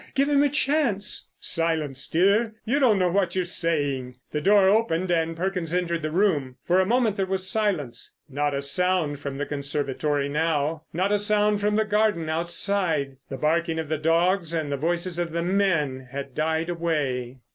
Give him a chance." "Silence, dear. You don't know what you're saying." The door opened and Perkins entered the room. For a moment there was silence. Not a sound from the conservatory now. Not a sound from the garden outside. The barking of the dogs and the voices of the men had died away.